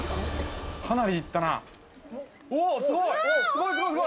かなりいったな。